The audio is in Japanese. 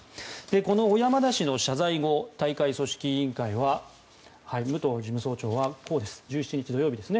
この小山田氏の謝罪後大会組織委員会の武藤事務総長は１７日、土曜日ですね。